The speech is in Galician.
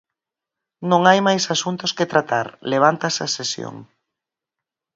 Non hai máis asuntos que tratar, levántase a sesión.